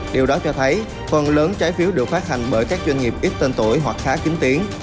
điều đó cho thấy phần lớn trái phiếu được phát hành bởi các doanh nghiệp ít tên tuổi hoặc khá chính tiến